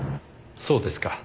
そうですか。